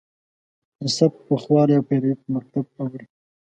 د سبک پوخوالی او پیروي په مکتب اوړي.